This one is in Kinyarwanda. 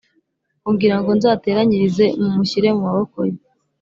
kugirango nzateranyirize mumushyire mumaboko ye,